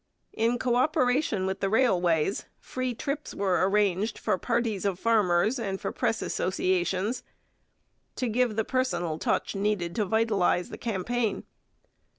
In co operation with the railways, free trips were arranged for parties of farmers and for press associations, to give the personal touch needed to vitalize the campaign.